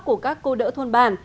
của các cô đỡ thôn bản